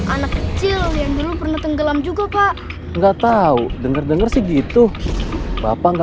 anak kecil yang dulu pernah tenggelam juga pak enggak tahu denger dengar segitu bapak enggak